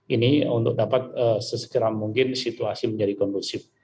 ini untuk dapat sesegera mungkin situasi menjadi kondusif